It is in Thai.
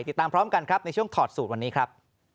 ติดตามพร้อมกันครับในช่วงถอดสูตรวันนี้ครับ